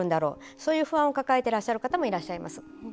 そういう不安を抱えている方もいらっしゃいます。